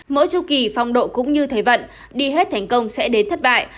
mỗi châu kỳ phong độ cũng như thầy vận đi hết thành công sẽ đến thất bại